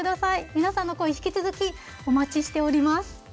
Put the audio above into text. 皆さんの声引き続きお待ちしております。